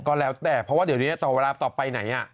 ก็แล้วแต่เพราะว่าเดี๋ยวนี้ต่อเวลาต่อไปไหน